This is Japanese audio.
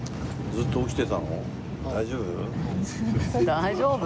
「大丈夫？」